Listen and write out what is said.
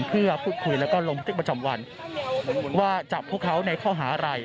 เพื่อพูดคุยแล้วก็ลงทึกประจำวันว่าจับพวกเขาในข้อหาอะไร